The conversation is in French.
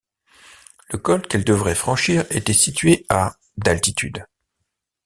Le col qu’elle devrait franchir était situé à d’altitude.